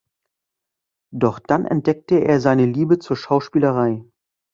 Doch dann entdeckte er seine Liebe zur Schauspielerei.